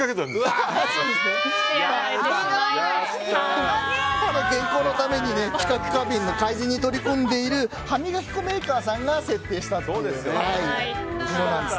歯の健康のために知覚過敏の改善に取り組んでいる歯磨き粉メーカーさんが設定しました。